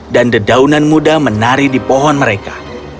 dan dedaunan muda menari di pohon mereka